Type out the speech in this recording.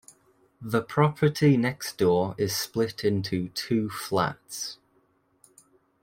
The property next door is split into two flats.